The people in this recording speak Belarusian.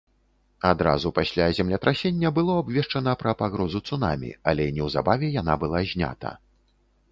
Адразу пасля землетрасення было абвешчана пра пагрозу цунамі, але неўзабаве яна была знята.